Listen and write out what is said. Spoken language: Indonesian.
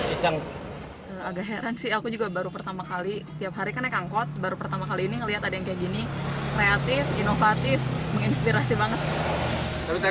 ini baru ada satu ini ya